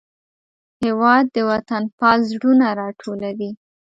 هېواد د وطنپال زړونه راټولوي.